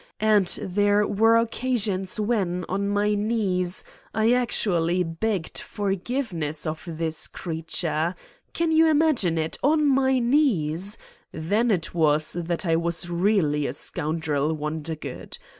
And there were occasions when, on my knees, I actually begged forgiveness of this creature ! Can you imagine it : on my knees ! Then it was that I was really a scoundrel, Wondergood.